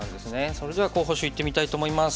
それでは候補手いってみたいと思います。